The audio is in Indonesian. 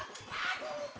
ampun ampun dong